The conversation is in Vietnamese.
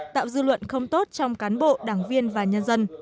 tạo dư luận không tốt trong cán bộ đảng viên và nhân dân